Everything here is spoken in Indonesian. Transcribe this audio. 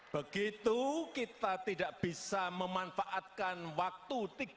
begitu kita tidak bisa memanfaatkan waktu